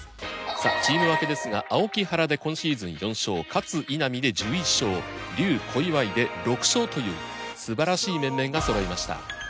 さあチーム分けですが青木・原で今シーズン４勝勝・稲見で１１勝笠・小祝で６勝というすばらしい面々がそろいました。